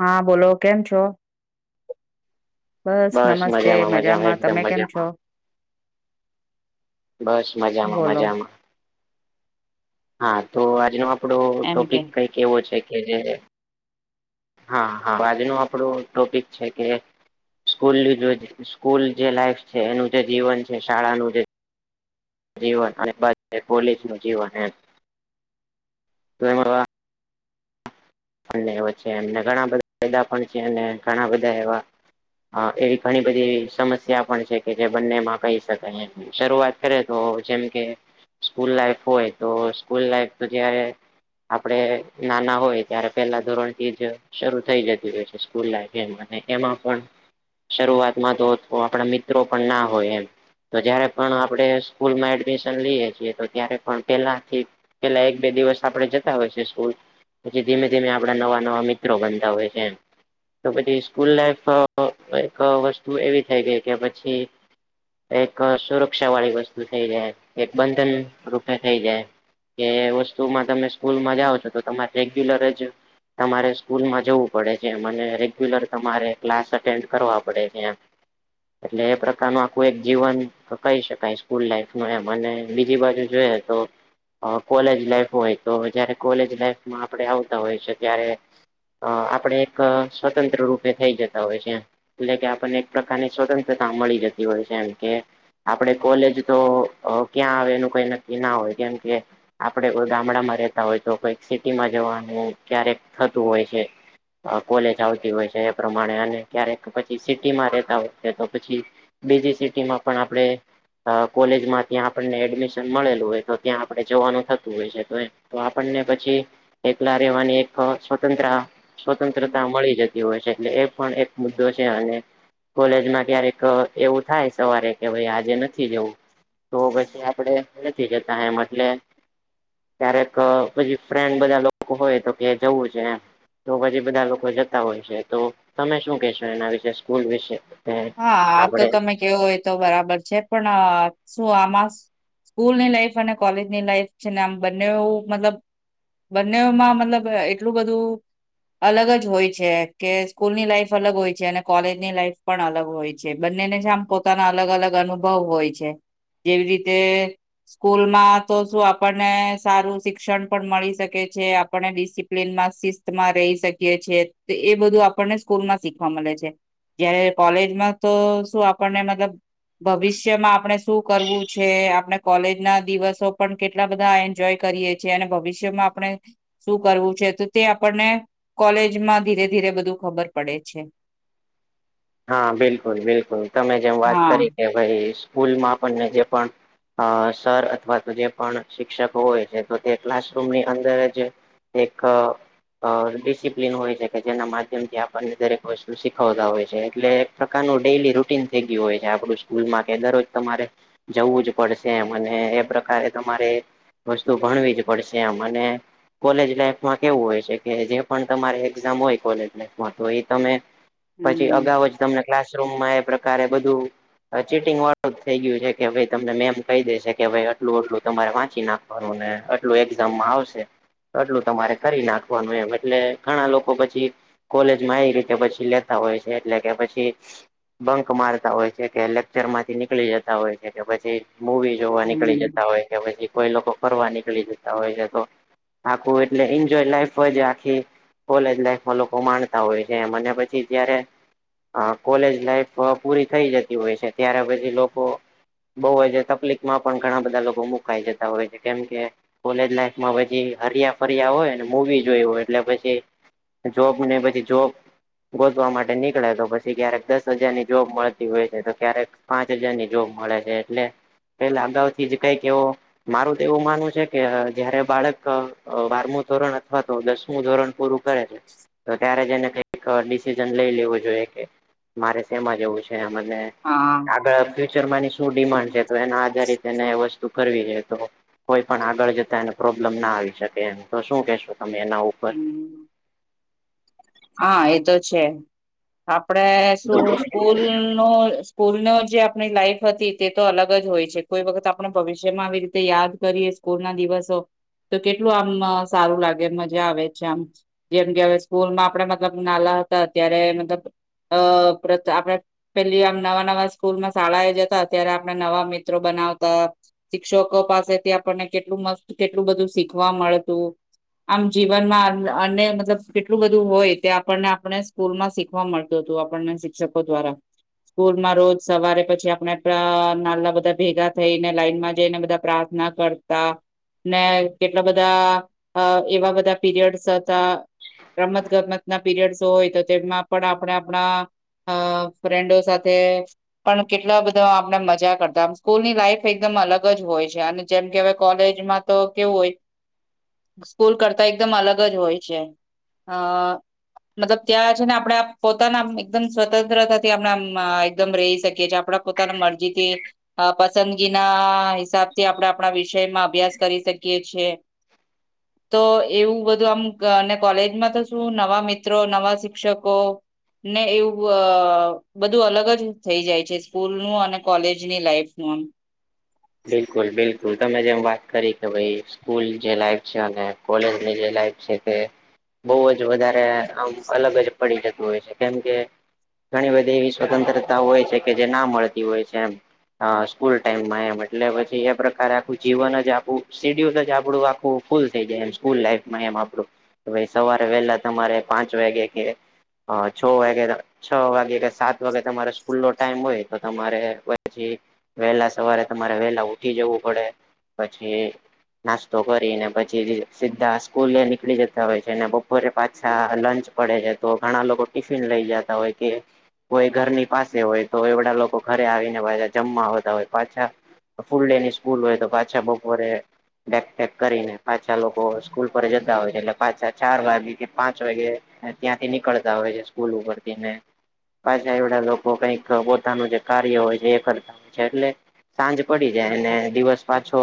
હા બોલો કેમ છો. બસ નમસ્તે મજામાં તમે કેમ છો. બસ મજામાં બોલો મજામાં હા તો આજનો આપડો એમ કે ટોપિક કઈક એવો છે. કે જે હા હા આજનું આપડું ટોપિક છે. કે સ્કૂલ સ્કૂલ જે લાઈફ છે. એનું જે જીવન છે શાળાનું જે જીવન અને પોલીસ નું જીવન એજ અને એ છે. એમને ઘણા બધા ફાયદા પણ છે. ઘણા બધા એવા હા એવી ઘણી બધી સમસ્યા પણ છે. કે જે બંનેમાં કહી શકાય શરૂઆત કરે તો જેમ કે સ્કૂલ લાઈફ હોય તો સ્કૂલ લાઈફ તો જયારે આપડે નાના હોય ત્યારે પેલા ધોરણથીજ શરૂ થઈ જતી હોય છે સ્ૂલ લ એમાં પણ શરૂઆતમાં તો આપણા મિત્રો પણ ના હોય એમ તો જયારે પણ આપણે સ્કૂલમાં એડમિશન લઈએ છીએ તો ત્યારે પણ પેલાથી પેલા એક બે દિવસ આપડણે જતા હોય છે સ્કૂલ પછી ધીમે ધીમે આપડા નવા નવા મિત્રો બનતા હોય છેમ તો પછી સ્કૂલ લાઈફ એક વસ્તુ એવી થઈ ગઈ કે પછી એક સુરક્ષા વાળી વસ્તુ થઈ જાય એક બંધન રૂપે થઇ જાય કે વસ્તુમાં તમે સ્કૂલ માં જાઓ છો તો તમારે રેગ્યુલર જ તમારે સ્કૂલમાં જવું પડે છે એમ રેગ્યુલર તમારે ક્લાસ અટેન્ડ કરવા પડે છે એમ એટલે એ પ્રકાર ન આખું એક જીવન તો કહી શકાય સ્કૂલ લાઈફ નું એમ અને બીજી બાજુ જોઈએ તો કોલેજ લાઈફ હોય તો જયારે કોલેજ લાઈફ માં આપડે આવતા હોય છે ત્યારે અ આપડે એક સ્વતંત્ર રૂપે થઈ જતા હોય છે્યા એટલે કે આપણને એક પ્રકારની સ્વતંત્રતા મળી જતી હોય છે એમ કે આપડે કોલેજ તો ક્યાં આવે એનું કઈ નક્કી ના હોય કેમ કે આપડે કોઈ ગામડામાં રતા હોય તો કોઈક સિટીમાં જવાનું ક્યારેક થતું હોય છે કોલેજ આવતી હોય છે એ પ્રમાણે અને ક્યારેક પછી સિટીમાં રહેેતા હોય છે તો પછી બીજી સિટી માં પણ આપડણે અ કોલેજમાં ત્યાં આપણને એડમિશન મળેલું હોય તો ત્યાં આપણે જવાનું થતું હોય છે તો એ તો આપણને પછી એકલા રહેેવાની એક સ્વતંત્ર સ્વતંત્રતા મળી જતી હોય છે એટલે એ પણ એક મુદ્દો છે અને કોલેજમાં ક્યારેક એવું થાય સવારે કે ભાઈ આજે નથી જવું તો પછી આપડે નથી જતા એમ એટલે ક્યારેક પછી ફ્રેન્ડ બધા લોકો હોય તો કે જવું છે એમ. તો પછી બધા લોકો જતા હોય છે, તો તમે શું કેશો એના વિશે સ્કૂલ વિશે? હા આ તો આપડે તમે કેવો હોય તો બરાબર છે પણ શું આમાં સ્કૂલની લાઈફ અને કોલેજ ની લાઈફ છે ને આમ બંને એવુ મતલબ બંનેવમાં મતલબ એટલું બધું અલગ જ હોય છે કે સ્કૂલની લાઈફ અલગ હોય છે અને કોલેજ ની લાઈફ પણ અલગ હોય છે બંનેને જ આમ પોતાના અલગ અલગ અનુભવ હોય છે જેવી રીતે સ્કૂલમાં તો શું આપણને સારું શિક્ષણ પણ મળી શકે છે આપણને ડિસિપ્લીનમા મા શકીએ છી એ બધું આપણને સ્કૂલ માં શીખવા મળે છે જયારે કોલેજમાં તો શું આપણને મતલબ ભવિષ્યમાં આપણે શું કરવું છે આપણે કોલેજ ના દિવસો પણ કેટલા બધા એન્જોય કરીએ છીએ અને ભવિષ્યમાં આપણે શું કરવું છે તો તે આપણને કોલેજમાં ધીરે ધીરે બધું ખબર પડે છે. હા બિલકુલ બિલકુલ તમે જેમ વાત હા કરી કે ભાઈ સ્કૂલમાં પણને જે પણ અ સર અથવા તો જે પણ શિક્ષક હોય છે તો તે ક્લાસરૂમની અંદર જ એક અ ડિસિપ્લિન હોય છે કે જેના માધ્યમ થી આપણને દરેક વસ્તુ શીખવતા હોય છે. એટલે એક પ્રકારનું ડેલી રૂટીન થઈ ગયું હોય છે, આપડું સ્કૂલમાં કે દરરોજ તમારે જવું જ પડશે એમ અને એ પ્રકારે તમારે વસ્તુ ભણવી જ પડશે મને કોલેજ લાઈફમાં કેવું હોય છે, કે જે પણ તમારે એક્ઝામ હોય કોલેજ લાઈફમાં તો એ તમે પછી હમ અગાઉ જ તમને ક્લાસરૂમાં એ પ્રકારે બધું ચીટિંગ વાળું થઈ ગયું છે કે ભાઈ તમને મેમ કહી દેશે કે આટલું આટલું તમારે વાંચી નાખ ખરું ને આટલું એક્ઝામમાં આવશે એટલું તમારે કરી નાખવાનું એમ એટલે ઘણા લોકો પછી કોલેજમાં આવી રીતે પછી લેતા હોય છે એટલે કે પછી બંક મારતા હોય છે કે લેક્ચર માંથી નીકળી જતા હોય છે કે પછી મુવી જોવા નીકળી હમ જતા હોય કે પછી કોઈ લોકો ફરવા નીકળી જતા હોય છે તો આખું એટલે એન્જોય લાઈફ જ આખી કોલેજ લાઈફમાં લોકો માણતા હોય છે એમ પછી જયારે કોલેજ લાઈફ પૂરી થઈ જતી હોય છે ત્યારે પછી લોકો બહું જ તકલીક માં પણ ઘણા બધા લોકો મુકાઈ જતા હોય છે કેમ કે કોલેજ લાઈફમાં પછી હરિયા ફરિયા હોય મુવી જોઈ હોય એટલે પછી જોબ ને પછી જોબ ગોતવા માટે નહી નીકળે તો પછી ક્યારેક દસ હજારની જોબ મળતી હોય છે તો ક્યારેક પાંચ હજારની જોબ મળે છે એટલે પેલા અગાઉથી જ કઈક એવો મારું તો એવું માનવું છે કે જયારે બાળક બારમું ધોરણ અથવા તો દસમું ધોરણ પૂરું કરે છે તો ત્યારે જ એને કઈક ડિસિજન લઈ લેવું જોઈએ કે મારે શેમાં જવું છે મને હા. ફ્યુચરમાં ની શું ડિમાન્ડ છે તો એના આધારિતને એ વસ્તુ કરવી જો તો કોઈ પણ આગળ જતા એને પ્રોબ્લેમ ના આવી શકે એમ તો શું કેહેશો તમે એના ઉપર? હમ. હા એતો છે આપડે શું સ્કૂલ નું સ્કુલનો જે આપણી લાઈફ હતી તે તો અલગ જ હોય છે કોઈ વખત આપણે ભવિષ્યમાં આવી રીતે યાદ કરીએ સ્કુલ ના દિવસો તો કેટલું આમ સારું લાગે મજા આવે છે આમ જેમ કે હવે સ્કૂલમાં આપડ મતલબ નાલા હતા અત્યારે મતલબ અ આપણે પેલી આમ નવા નવા સ્કૂલ માં શાળાએ જતા અત્યારે આપણે નવા મિત્રો બનાવતા શિક્ષકો પાસેથી આપણને કેટલું મસ્ત કેટલું બધું શીખવા મળતું. આમ જીવનમાં અન્ય મતલબ કેટલું બધું [inaudible] હોય તે આપણને આપને સ્કૂલ માં શીખવા મળતું હતું આપણને શિક્ષકો દ્વારા સ્કૂલમાં રોજ સવારે પછી આપણે [unintelligible] નાલા બધા ભેગા થઈને લાઈનમાં જઈને બધા પ્ર એના કરતા ને કેટલા બધા એવા બધા પીરિયડ્સ હતા રમત ગતમત ના પીરિયડસ હોય તો તેમાં પણ આપણે આપણા અ ફ્રેન્ડો સાથે પણ કેટલા બધા આપણે મજા કરતામ સ્કૂલ ની લાઈફ એકદમ અલગ જ હોય છે અને જેમ કે હવે કોલેજમાં તો કેવું હોય હ. સ્કૂલ કરતા એકદમ અલગ જ હોય છે. હ મતલબ ત્યાં છે ને આપણેે પોતાના એકદમ સ્વતંત્રતાથી આપણે એકદમ રહી શકીએ છીએ આપડ પોતાના મરજીથી અ પસંદગી ના હિસાબથી આપણે આપણા વિષયમાં અભ્યાસ કરી શકીએ છીએ. તો એવું બધું આમ [unintelligible] કોલેજમાં તો શું નવા મિત્રો, નવા શિક્ષકો ને એવું બધું અલગ જ થઈ જાય છે સ્કૂલ નું અને કોલેજની લાઈફ નું આમ બિલકુલ બિલકુલ તમે જેમ વાત કરી કે ભાઈ સ્કૂલ જે લાઈફ છે અને કોલેજની જે લાઈફ છે તે બહુ જ વધારે આમ અલગ જ પડી જતું હોય છે કેમ કે ઘણી બધી એવી સ્વતંત્રતા હોય છે કે જે ના મળતી હોય છે એમ હા સ્કૂલ ટાઈમમાં એ એટલે પછી એ પ્રકારે આખું જીવન જ આપું શેડ્યુલ જ આપડું આખું ફૂલ થઈ જાય એમ સ્કૂલ લાઈફ એમ આપડું ભાઈ સવારે વહેલા તમારે પાંચ વાગે કે છ વાગે છ વાગે કે સાત વાગે તમારે સ્કૂલ નો ટાઈમ હોય તો તમારે પછી વહેલા સવારે. તમારે વેલા ઉઠી જવું પડે પછી. નાસ્તો કરીને પછી સીધા સ્કૂલે નીકળી જતા હોય છે ને બપોરે પાછા લંચ. પડે છે તો ઘણા લોકો ટિફિન લઈ જતા હોય કે. કોઈ ઘરની પાસે હોય તો એવડા લોકો ઘરે આવીને વાય જમવા આવતા હોય પાછા. ફૂલ ડે ની સ્કૂલ હોય તો પાછા બપોરે. બેગ પેક કરીને પાછા લોકો સ્કૂલ પર જતા હોય છે એટલે પાછા ચાર વાગે કે પાંચ વાગે. ત્યાંથી નીકળતા હોય છે સ્કૂલ ઉપર થી ને. પાછા એવડા લોકો કઈક પોતાનું જે કાર્ય હોય છે એ કરતા હોય છે એટલે. સાંજ પડી જાય અને દિવસ પાછો.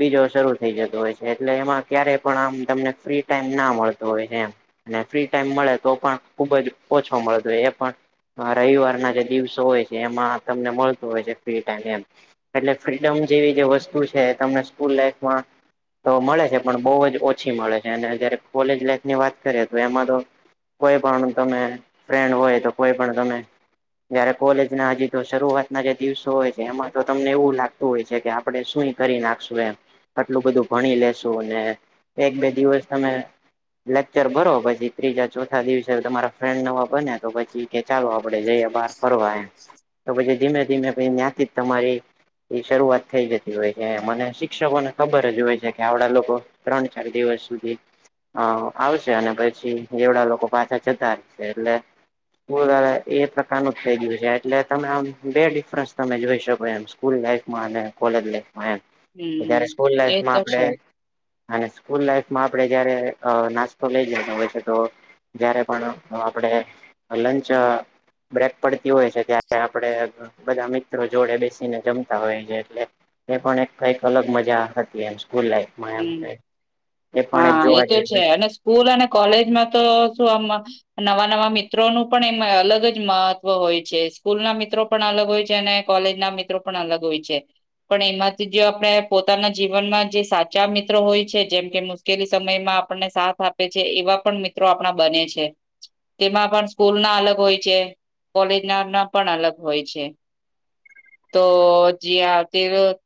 બીજો શરૂ થઈ જતો હોય છે એટલે એમાં ક્યારેય પણ આમ તમને ફ્રી ટાઈમ ના મળતો હોય છે એમ. અને ફ્રી ટાઈમ મળે તો પણ ખુબ જ ઓછો મળે તો એ પણ. હ રવિવારના જે દિવસો હોય છે એમાં તમને મળતું હોય છે ફ્રી ટાઈમ એમ. એટલે ફ્રીડમ જેવી જે વસ્તુ છે તમને સ્કૂલ લાઈફમાં. તો મળે છે પણ બહુ જ ઓછી મળે છે અને જયારે કોલેજ લાઈફ ની વાત કરીએ તો એમાં તો. કોઈ પણ તમે ફ્રેન્ડ હોય તો કોઈ પણ તમે. જયારે કોલેજ ના હજી તો શરૂઆત ના જે દિવસો હોય છે એમાં. તો તમને એવું લાગતું હોય છે કે આપડણે સુું કરી નાખશું એમ. આટલું બધું ભણી લેશુ ને એક બે દિવસ તમે. લેકચર ભરો પછી ત્રીજા ચોથા દિવસે તમારા ફ્રેન્ડ નવા બન્યા. તો પછી કે ચાલો આપડે જઈએ બાર ફરવા એમ તો પછી ધીમે ધીમે ન્યાથી તમારી એ શરૂઆત થઈ જતી હોય છે મને શિક્ષકોને ખબર જ હોય છે કે આવડા લોકો. ત્રણ ચાર દિવસ સુધી. હ આવશે અને પછી જેવડા લોકો પાછા જતા રહેશે એટલે. સ્કૂલ હબ એ પ્રકારનું જ થઇ ગયું છે એટલે તમે આમ બે ડિફરન્સ તમે જોઈશ. ત ભય એમ સ્કૂલ લાઇફ માં અને કોલેજમાં એમ હમ જ્યારે સ્કૂલ એ લાઇફમાં તો આપણે. છે અને સ્કૂલ લાઈફમાં આપણે જયારે નાસ્તો લઈ જતો હોય છે તો. જયારે પણ આપડે લંચ. બ્રેક પડતી હોય છે ત્યારે આપે બધા મિત્રો. જોડે બેસીને જમતા હોય છે એટલે એ પણ એક કઈક અલગ મજા હતી એમ સ્કૂલ લાઈફ. મ હમ એ [unintelligible] પણ હા એ જોવા તો છે જઈએ. અને સ્કૂલ અને કોલેજમાં તો શું આમ. નવા નવા મિત્રો નું પણ એમાં અલગ જ મહત્વ હોય છે સ્કૂલ ના મિત્રો. પણ અલગ હોય છે અને કોલેજ ના મિત્રો પણ અલગ હોય છે. પણ એમાંથી જે આપણે પોતાના જીવનમાં જે સાચ. ચા મિત્રો હોય છે જેમ કે મુશ્કેલી સમયમાં આપણને સાથ આપે છે એવા પણ મિત્રો આપણા બને છે. તેમાં પણ સ્કૂલ ના અલગ હોય છે કોલેજ ના ના પણ અલગ હોય છે. તો જ તે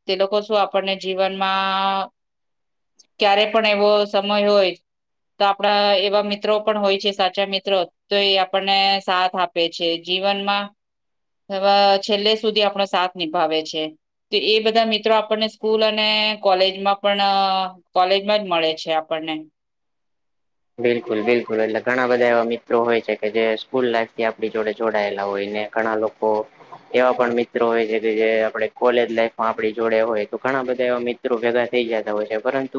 તે લોકો શું આપણને જીવનમાં. ક્યારે પણ એવો સમય હોય. તો આપણા એવા મિત્રો પણ હોય છે સાચા મિત્રો. તો એ આપણને સાથ આપે છે જીવનમાં. હ છેલ્લે સુધી આપણો સાથ નિભાવે છે. તો એ બધા મિત્રો આપણને સ્કૂલ અને કોલેજમાં. પણ કોલેજમાં જ મળે છે આપણને. બિલકુલ બિલકુલ એટલે ઘણા બધા એવા મિત્રો હોય છે કે જે સ્કૂલ લાઈફ થી આપણી જોડે જોડાયેલા હોયને ઘણા લોકો. લોકો. એવા પણ મિત્રો હોય છે કે જે આપ કોલેજ લાઈફમાં આપ જોડે હોય તો ઘણા બધા એવા મ્ર. ભેગા થઈ જતા હોય છે પરંતુ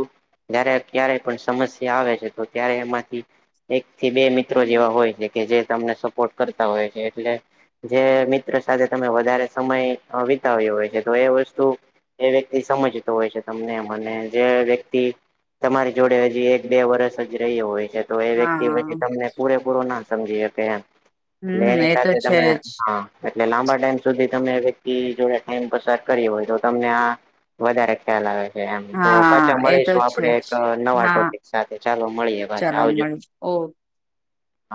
જયારે ક્યારેય પણ સમસ્યા આવે છે. ત્યારે એમાંથી. એક થી બે મિત્રો જેવા હોય છે કે જે તમને સપોર્ટ કરતા હોય છે એટલે. જે મિત્ર સાથે તમે વધારે સમય વિતાવ્યો હોય છે તો એ વસ્તુ એ વ્યક્તિ સમજતો હોય છે તમને મ જે વ્યક્તિ તમારી જોડે હજી એક બે વરષ રહ હોય છે તો એ વ્યક્તિ હા પછી તમને પૂરેપૂરું ના સમજી કેમ એટલે હમ એની એ તો સાથે છે તમે જ હા એટલે લાંબા ટાઈમ સુધી તમે વ્યક્તિ જોડે ટાઈમ પસાર કરી હોય તો તમને આ વધારે ખ્યાલ આવે છે એમ તો હા કચા એ તો મળીશું આપડે એક નવા ટોપિક સાથે ચાલો મળીએ પાછા ચલો આવજો મળ ઓકે હા